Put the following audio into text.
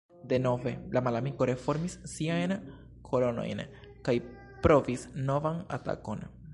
Denove, la malamiko reformis siajn kolonojn kaj provis novan atakon.